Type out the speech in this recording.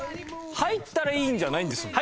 入ったらいいんじゃないんですもんね。